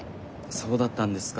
そうだったんですか。